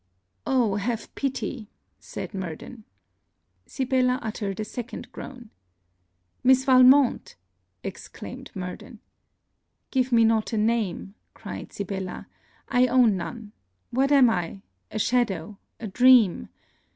'Oh! have pity!' said Murden. Sibella uttered a second groan. 'Miss Valmont!' exclaimed Murden. 'Give me not a name' cried Sibella. 'I own none! What am I? a shadow! A dream!